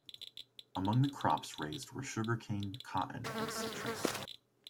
Among the crops raised were sugar cane, cotton and citrus.